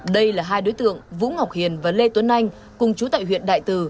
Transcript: đây là hai đối tượng vũ ngọc hiền và lê tuấn anh cùng chú tại huyện đại từ